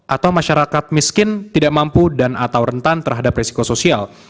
atau masyarakat miskin tidak mampu dan atau rentan terhadap resiko sosial